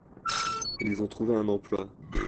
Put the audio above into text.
Ils ont trouvé un emploi.